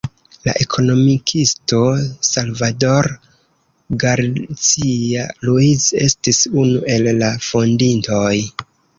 La ekonomikisto Salvador Garcia-Ruiz estis unu el la fondintoj.